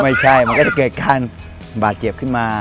มันก็จะเกิดการบาดเจ็บขึ้นมา